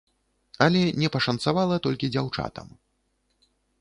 Але не пашанцавала толькі дзяўчатам.